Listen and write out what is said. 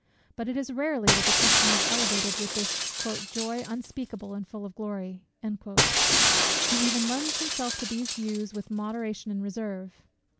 But it is rarely that the Christian is elevated with this "joy unspeakable and full of glory:" he even lends himself to these views with moderation and reserve.